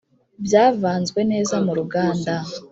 Byavanzwe neza muruganda